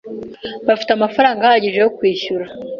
Bafite amafaranga ahagije yo kwishura.